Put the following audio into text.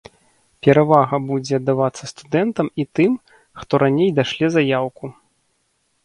Перавага будзе аддавацца студэнтам і тым, хто раней дашле заяўку.